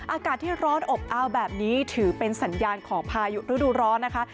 อากาศที่ร้อนอบอ้าวแบบนี้ถือเป็นสัญญาณของพายุฤดูร้อนนะคะ